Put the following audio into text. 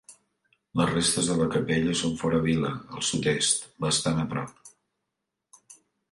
Les restes de la capella són fora vila, al sud-est, bastant a prop.